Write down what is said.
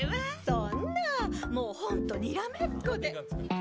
そんなもう本当にらめっこで。